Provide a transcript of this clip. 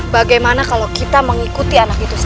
bagaimana kalau kita mengikuti anak itu